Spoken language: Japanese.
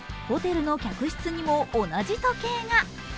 ホテルの客室にも同じ時計が。